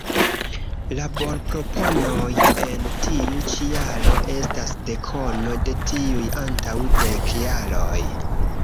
Laborproponoj en tiu ĉi jaro estas dekono de tiuj antaŭ dek jaroj.